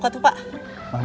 saha tuh etukt puri